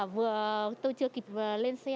vừa tôi chưa kịp lên xe